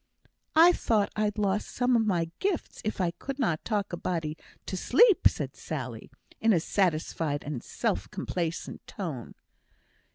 "I thought I'd lost some of my gifts if I could not talk a body to sleep," said Sally, in a satisfied and self complacent tone.